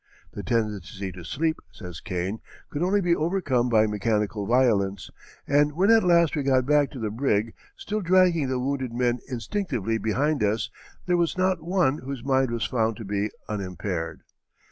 "The tendency to sleep," says Kane, "could only be overcome by mechanical violence; and when at last we got back to the brig, still dragging the wounded men instinctively behind us, there was not one whose mind was found to be unimpaired."